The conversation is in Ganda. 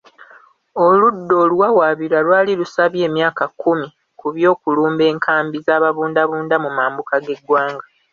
Oludda oluwawaabirwa lwali lusabye emyaka kkumi ku by'okulumba enkambi z'ababuudabuuda mu mambuka g'eggwanga.